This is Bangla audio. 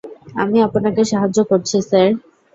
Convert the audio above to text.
আমি আপনাকে সাহায্য করছি, স্যার।